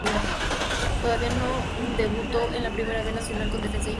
Todavía no debutó en Primera B Nacional con Defensa y Justicia